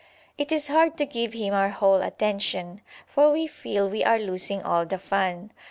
It is hard to give him our whole attention, for we feel we are losing all the fun.